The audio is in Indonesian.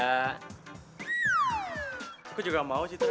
aku juga mau citra